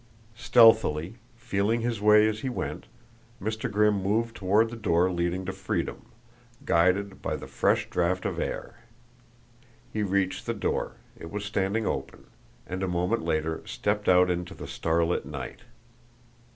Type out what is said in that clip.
Stealthily, feeling his way as he went, Mr. Grimm moved toward the door leading to freedom, guided by the fresh draft of air. He reached the door it was standing open and a moment later stepped out into the star lit night.